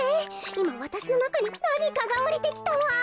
いまわたしのなかになにかがおりてきたわ！